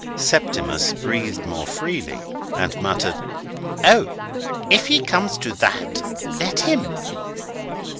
'" Septimus breathed more freely, and muttered: "O! if he comes to that, let him."